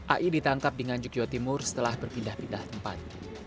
ai ditangkap dengan jogja timur setelah berpindah pindah tempat